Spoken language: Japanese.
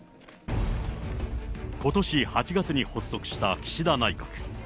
ことし８月に発足した岸田内閣。